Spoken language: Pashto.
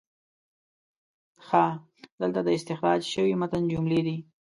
ښه، دلته د استخراج شوي متن جملې دي: